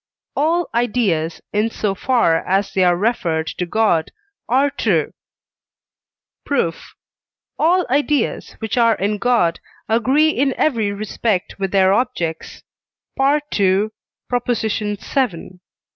All ideas, in so far as they are referred to God, are true. Proof. All ideas which are in God agree in every respect with their objects (II. vii.